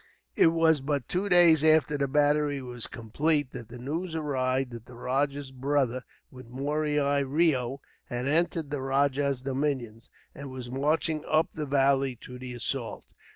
It was but two days after the battery was complete that the news arrived that the rajah's brother, with Murari Reo, had entered the rajah's dominions, and was marching up the valley to the assault.